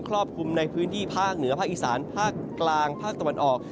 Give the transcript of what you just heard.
รอบคลุมในพื้นที่ภาคเหนือภาคอีสานภาคกลางภาคตะวันออก